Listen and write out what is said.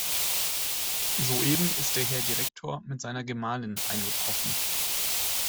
Soeben ist der Herr Direktor mit seiner Gemahlin eingetroffen.